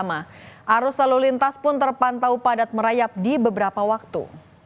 arus lalu lintas pun terpantau padat merayap di beberapa waktu